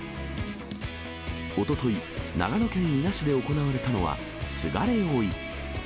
おととい、長野県伊那市で行われたのはすがれ追い。